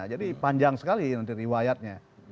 jadi panjang sekali nanti riwayatnya